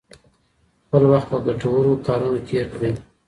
خپل وخت په ګټورو کارونو تیر کړئ.